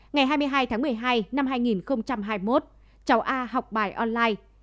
ngày hai mươi hai tháng một mươi hai năm hai nghìn hai mươi một cháu a học bài online